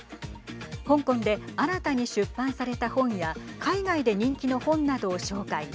香港で新たに出版された本や海外で人気の本などを紹介。